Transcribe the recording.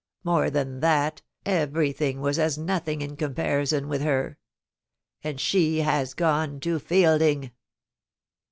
More than that, everything was as nothing in comparison with her. ... And she has gone to Fielding.